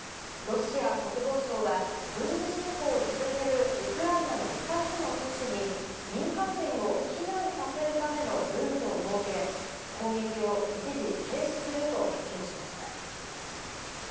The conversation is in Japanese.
ロシア国防省は、軍事侵攻を続けるウクライナの２つの都市に、民間人を避難させるためのルートを設け、攻撃を一時停止すると発表しました。